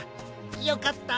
よかった！